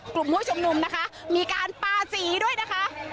กลุ่มผู้ชุมนุมนะคะมีการปาสีด้วยนะคะ